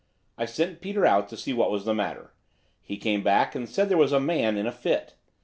I sent Peter out to see what was the matter. He came back and said there was a man in a fit.